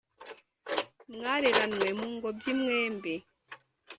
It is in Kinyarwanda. Mwareranywe mu ngobyi mwembi